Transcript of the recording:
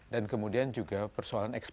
dan kemudian juga dari kota kota yang tersebut